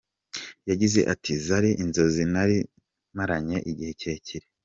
Yagize ati “Zari inzozi narimaranye igihe kirekire.